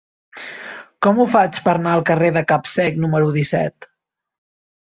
Com ho faig per anar al carrer de Capsec número disset?